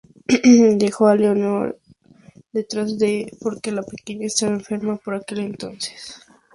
Dejó a Leonor detrás porque la niña estaba enferma por aquel entonces.